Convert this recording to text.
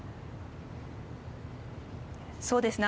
そうですね。